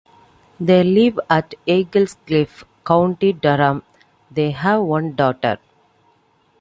They live at Eaglescliffe, County Durham; they have one daughter.